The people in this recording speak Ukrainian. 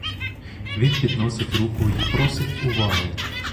Він підносить руку й просить уваги.